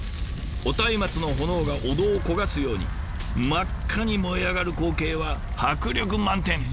お松明の炎がお堂を焦がすように真っ赤に燃え上がる光景は迫力満点！